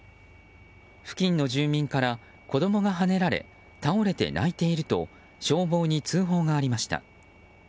付近の住民から、子供がはねられ倒れて泣いていると消防に通報がありました。